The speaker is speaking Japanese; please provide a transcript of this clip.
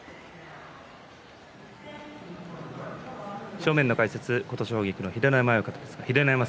正面の解説琴奨菊の秀ノ山さんです。